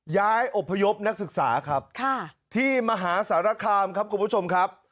ย้ายอบพยพนักศึกษาครับที่มหาสารคามครับคุณผู้ชมครับ